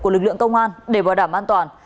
của lực lượng công an để bảo đảm an toàn